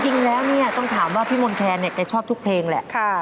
จริงแล้วต้องถามว่าพี่มนต์แคร์แกชอบทุกเพลงแหละ